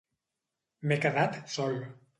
M'he quedat sol.